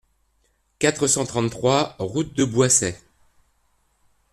quatre cent trente-trois route de Boissey